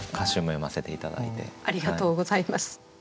ありがとうございます。